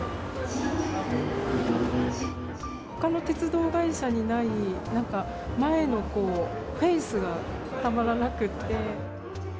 ほかの鉄道会社にない、なんか、前のこう、フェースがたまらなくて。